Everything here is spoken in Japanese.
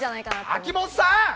秋元さん！